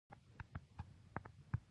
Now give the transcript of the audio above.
خیرنې جامې یې په میاشتو مینځلې نه وې.